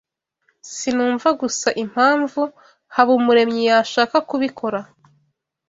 Sinumva gusa impamvu Habumuremyi yashaka kubikora.